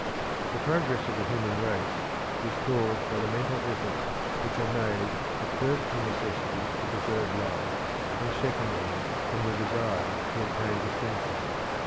The progress of the human race is caused by the mental efforts which are made at first from necessity to preserve life, and secondly from the desire to obtain distinction.